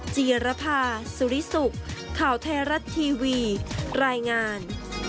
จีรภาสุริสุขข่าวไทยรัฐทีวีรายงาน